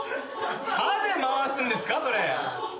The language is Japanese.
歯で回すんですかそれ。